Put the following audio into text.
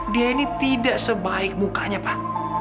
dia ini tidak sebaik mukanya pak